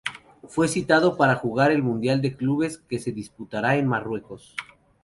Fue citado para jugar el Mundial de clubes que se disputara en Marruecos.